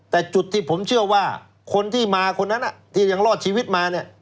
แต่จุดที่ผมเชื่อว่าคนที่มาคนนั้นที่ยังรอดชีวิตมาเนี่ย